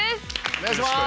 お願いします。